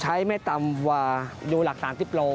ใช้ไม่ต่ำว่าอยู่หลัก๓๐โล